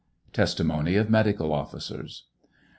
TESTIMONY OF MEDICAL OFFICERS.